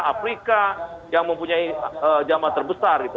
afrika yang mempunyai jamaah terbesar gitu